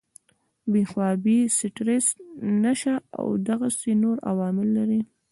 بې خوابي ، سټريس ، نشه او دغسې نور عوامل لري